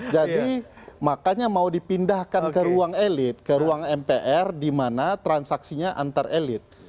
jadi makanya mau dipindahkan ke ruang elit ke ruang mpr di mana transaksinya antar elit